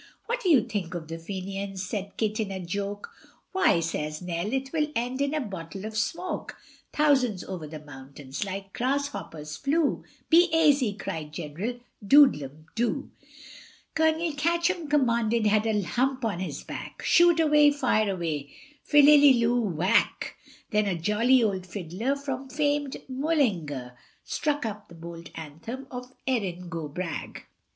What do you think of the Fenians? said Kit, in a joke, Why, says Nell, it will end in a bottle of smoke, Thousands over the mountains, like grasshoppers flew, Be aisy, cried General Doodlem doo: Colonel Catch'em commanded, had a hump on his back, Shoot away, fire away, philliloo whack, Then a jolly old fiddler from famed Mullingar, Struck up the bold anthem of Erin go bragh.